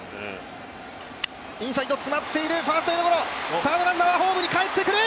サードランナーはホームに帰ってくる！